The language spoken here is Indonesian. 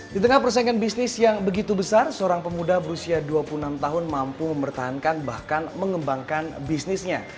di tengah persaingan bisnis yang begitu besar seorang pemuda berusia dua puluh enam tahun mampu mempertahankan bahkan mengembangkan bisnisnya